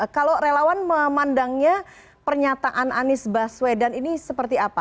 kalau relawan memandangnya pernyataan anies baswedan ini seperti apa